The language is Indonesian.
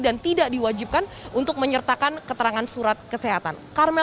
dan tidak diwajibkan untuk menyertakan keterangan surat kesehatan